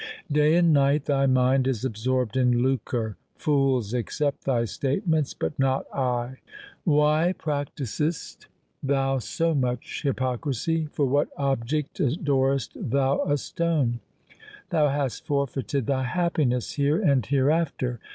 Day and night thy mind is absorbed in lucre. Fools accept thy statements, but not I. Why practisest LIFE OF GURU GOBIND SINGH thou so much hypocrisy ? For what object adorest thou a stone ? Thou hast forfeited thy happiness here and hereafter.